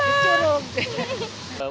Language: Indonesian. ada kalau ibu disana